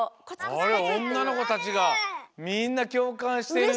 あれおんなのこたちがみんなきょうかんしてる。